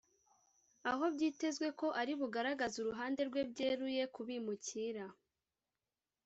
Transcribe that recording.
aho byitezwe ko ari bugaragaze uruhande rwe byeruye ku bimukira